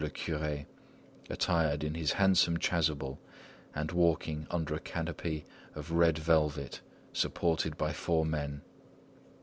le Curé, attired in his handsome chasuble and walking under a canopy of red velvet supported by four men.